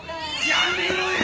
やめろよ！